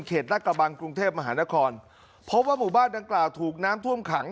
รักกระบังกรุงเทพมหานครพบว่าหมู่บ้านดังกล่าวถูกน้ำท่วมขัง